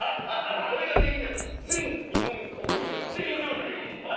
それができんねやったら全日本国民が料理できんねん！